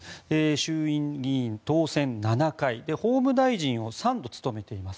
衆院議員当選７回法務大臣を３度務めています。